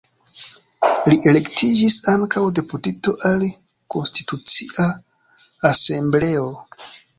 Li elektiĝis ankaŭ deputito al Konstitucia Asembleo.